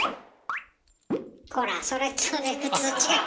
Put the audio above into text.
ほらそれそれ普通違う。